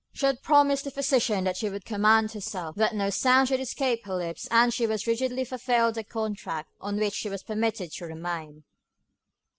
She had promised the physician that she would command herself, that no sound should escape her lips, and she rigidly fulfilled the contract on which she was permitted to remain.